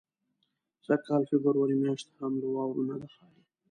سږ کال فبروري میاشت هم له واورو نه ده خالي.